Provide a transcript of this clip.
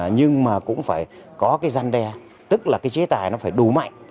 nhưng mà cũng phải có cái gian đe tức là cái chế tài nó phải đủ mạnh